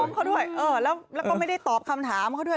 ไม่ได้มองเขาด้วยแล้วก็ไม่ได้ตอบคำถามเขาด้วย